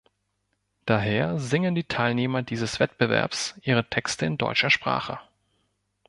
Daher singen die Teilnehmer dieses Wettbewerbs ihre Texte in deutscher Sprache.